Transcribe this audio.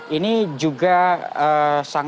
ini juga sangat